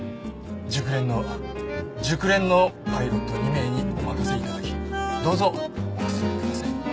熟練の熟練のパイロット２名にお任せいただきどうぞおくつろぎください。